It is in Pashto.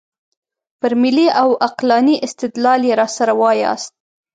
پر ملي او عقلاني استدلال یې راسره وایاست.